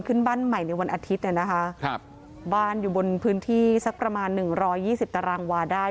ขึ้นบ้านใหม่ในวันอาทิตย์เนี่ยนะคะครับบ้านอยู่บนพื้นที่สักประมาณหนึ่งร้อยยี่สิบตารางวาได้